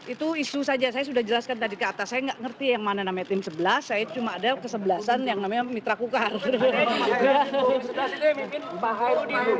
itu isu saja saya sudah jelaskan tadi ke atas saya nggak ngerti yang mana namanya tim sebelas saya cuma ada kesebelasan yang namanya mitra kukar